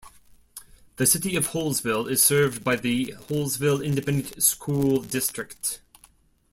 The City of Hallsville is served by the Hallsville Independent School District.